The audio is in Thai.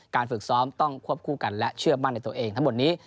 ฝึกซ้อมต้องควบคู่กันและเชื่อมั่นในตัวเองทั้งหมดนี้